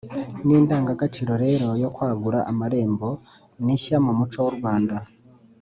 n’iyi ndangagaciro rero yo kwagura amarembo ni nshya mu muco w’u rwanda.